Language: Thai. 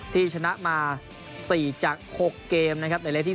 ที่ชนะมา๔จาก๖เกมนะครับในเล็กที่๒